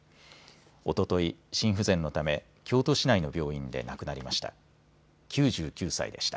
おととい、心不全のため京都市内の病院で亡くなりました。